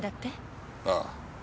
ああ。